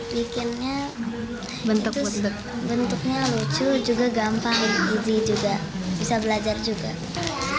bikinnya bentuknya lucu juga gampang ibu juga bisa belajar juga